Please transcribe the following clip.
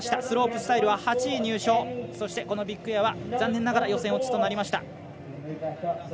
スロープスタイルは８位入賞そして、このビッグエアは残念ながら予選落ちとなりました。